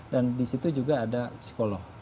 dan di situ juga ada psikolog